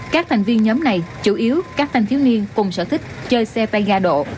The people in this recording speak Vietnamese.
các thành viên nhóm này chủ yếu các thanh thiếu niên cùng sở thích chơi xe tay ga độ